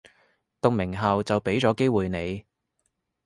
讀名校就畀咗機會你